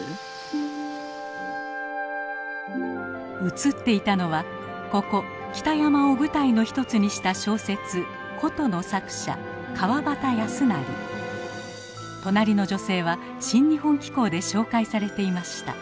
写っていたのはここ北山を舞台の一つにした小説「古都」の作者隣の女性は「新日本紀行」で紹介されていました。